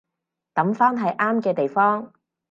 抌返喺啱嘅地方